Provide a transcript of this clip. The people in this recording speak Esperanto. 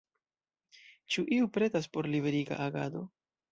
Ĉu iu pretas por liberiga agado?